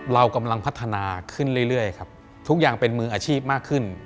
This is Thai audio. เรากำลังพัฒนาขึ้นเรื่อยครับทุกอย่างเป็นมืออาชีพมากขึ้น